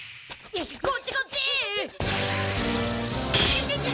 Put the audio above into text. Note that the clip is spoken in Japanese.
こっちこっち！